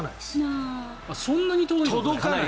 そんなに遠いの？